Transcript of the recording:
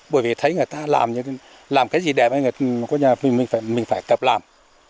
bởi vì thấy người ta làm cái gì đẹp mình phải tập làm